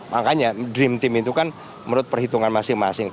makanya dream team itu kan menurut perhitungan masing masing